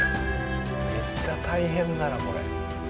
めっちゃ大変だなこれ。